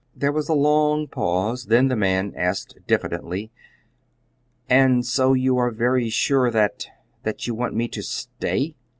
There was a long pause, then the man asked diffidently: "And so you are very sure that that you want me to stay?"